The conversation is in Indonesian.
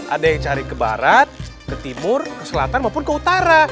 ada yang cari ke barat ke timur ke selatan maupun ke utara